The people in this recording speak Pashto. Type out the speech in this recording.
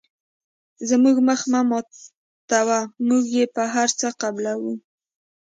زموږ مخ مه ماتوه موږ یې په هر څه قبلوو.